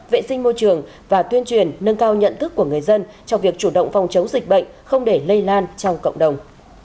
vệ sinh môi trường và tuyên truyền nâng cao nhận thức của người dân trong việc chủ động phòng chống dịch bệnh không để lây lan trong cộng đồng